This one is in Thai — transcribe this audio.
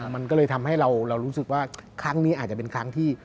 มันก็เลยทำให้เรารู้สึกว่าครั้งนี้อาจจะเป็นครั้งที่